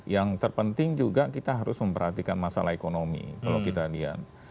yang terpenting juga kita harus memperhatikan masalah ekonomi kalau kita lihat